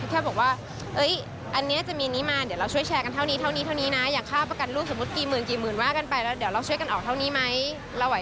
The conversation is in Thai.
แต่ว่าอันนี้จะมีอย่างนี้มาเดี๋ยวเราช่วยแชร์กันเท่านี้